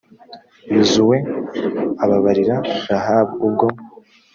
yozuwe ababarira rahabu ubwo.